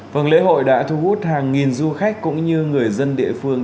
vâng lễ hội đã thu hút hàng nghìn du khách cũng như người dân địa phương